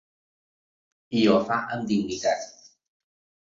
I ho fa amb dignitat.